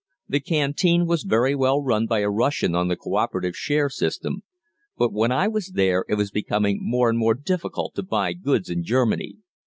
The canteen was very well run by a Russian on the co operative share system, but when I was there it was becoming more and more difficult to buy goods in Germany.